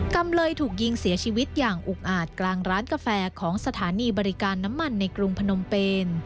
กรรมเลยถูกยิงเสียชีวิตอย่างอุกอาจกลางร้านกาแฟของสถานีบริการน้ำมันในกรุงพนมเปน